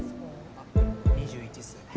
あっ２１っすね。